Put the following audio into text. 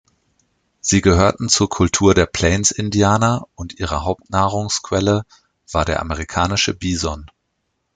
Sie gehörten zur Kultur der Plains-Indianer und ihre Hauptnahrungsquelle war der Amerikanische Bison.